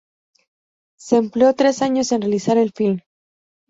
Se empleó tres años en realizar el filme.